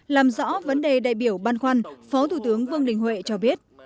làm rõ vấn đề đại biểu ban khoan phó thủ tướng vương đình huệ cho biết